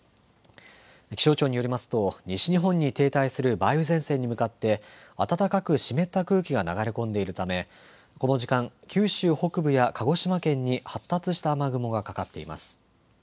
気象庁によりますと西日本に停滞する梅雨前線に向かって暖かく湿った空気が流れ込んでいるため、この時間、九州北部や鹿児島県に発達した雨雲がかかっています。